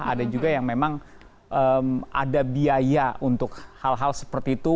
ada juga yang memang ada biaya untuk hal hal seperti itu